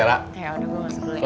ya udah gue mau sebulan